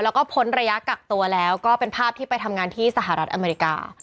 แล้วก็พ้นระยะกักตัวแล้วก็เป็นภาพที่ไปทำงานที่สหรัฐอเมริกา